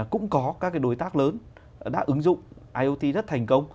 cũng có các đối tác lớn đã ứng dụng iot rất thành công